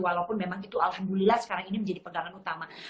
walaupun memang itu alhamdulillah sekarang ini menjadi pegangan utama